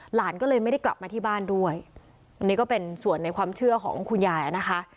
หลานก็เลยไม่ได้กลับมาที่บ้านด้วยนี่ก็เป็นส่วนในความเชื่อของคุณยายอ่ะนะคะ